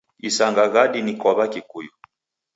Isanga ghadi ni kwa w'akikuyu.